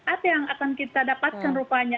apa yang akan kita dapatkan rupanya